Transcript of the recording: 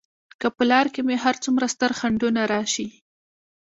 که په لار کې مې هر څومره ستر خنډونه راشي.